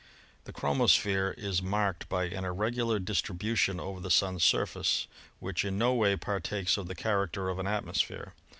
The chromosphere is marked by an irregular distribu tion over the Sun's surface, which in no way partakes of the character of an atmosphere.